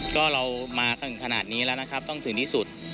ก็เรามาถึงขนาดนี้แล้วนะครับต้องถึงที่สุด